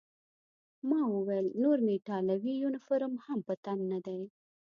ما وویل: نور مې ایټالوي یونیفورم هم په تن نه دی.